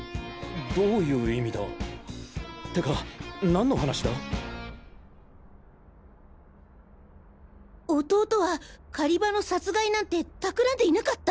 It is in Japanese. どういう意味だてかなんの話だ？弟は狩場の殺害なんて企んでいなかった？